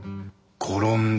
転んだ？